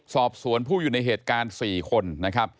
สอบสวนผู้อยู่ในเหตุการณ์๔คนนะครับ